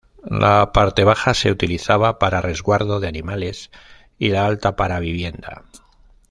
La parte baja se utilizaba para resguardo de animales y la alta para vivienda.